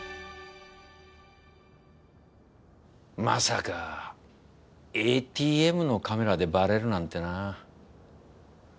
まさかＡＴＭのカメラでバレるなんてな。